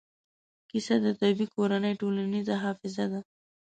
کیسه د طبعي کورنۍ ټولنیزه حافظه ده.